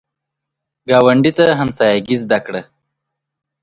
ګاونډي ته همسایګي زده کړه